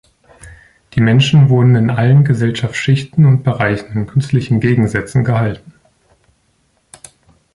Die Menschen wurden in allen Gesellschaftschichten und -bereichen in künstlichen Gegensätzen gehalten.